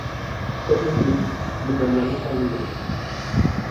Es decir, que permanezcan libres.